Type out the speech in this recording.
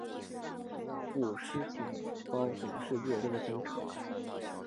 只要不失去你的崇高，整个世界都会向你敞开。